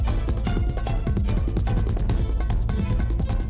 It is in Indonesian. aduh anak saya ditimbur